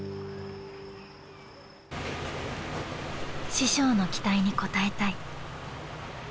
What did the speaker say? ［師匠の期待に応えたい］